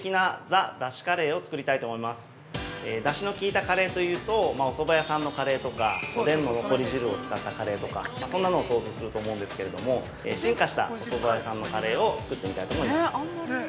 出汁のきいたカレーというとおそば屋さんのカレーとかおでんの残り汁を使ったカレーとかそんなのを想像すると思うんですけれども進化した、おそば屋さんのカレーを作ってみたいと思います。